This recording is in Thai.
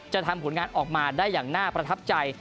ทำผลงานออกมาได้อย่างน่าประทับใจ